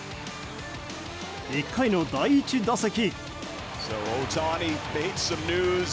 １回の第１打席。